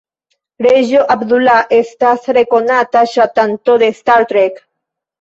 Reĝo Abdullah estas rekonata ŝatanto de "Star Trek".